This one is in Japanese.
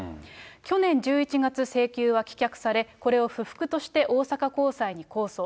去年１１月請求は棄却され、これを不服として大阪高裁に控訴。